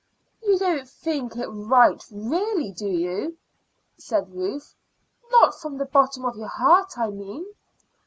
"You don't think it right really, do you," said Ruth "not from the bottom of your heart, I mean?"